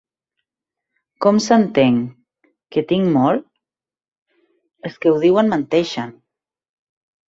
Com s'entén, que tinc molt? Els que ho diuen menteixen!